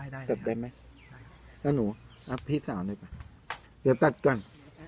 ได้ได้ได้ไหมได้ครับแล้วหนูอ่ะพี่สาวหน่อยไปเดี๋ยวตัดก่อน